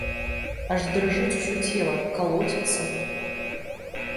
Аж дрыжыць усё цела, калоціцца.